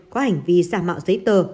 có hành vi giả mạo giấy tờ